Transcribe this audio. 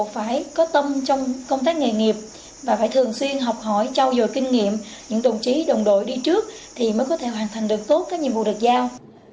phải có tâm trong công tác nghề nghiệp và phải thường xuyên học hỏi trao dồi kinh nghiệm những đồng chí đồng đội đi trước thì mới có thể hoàn thành được tốt các nhiệm vụ được giao